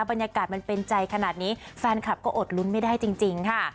บรรยากาศมันเป็นใจขนาดนี้แฟนคลับก็อดลุ้นไม่ได้จริงค่ะ